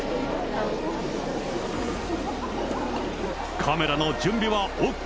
カメラの準備はＯＫ。